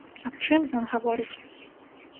Аб чым ён гаворыць?